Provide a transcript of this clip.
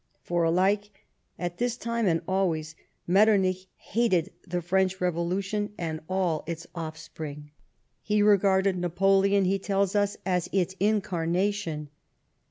For, alike at this time and always, Metternich hated the^ French Revolution and all its offspring. He regarded Napoleon, he tells us, as its " incarnation."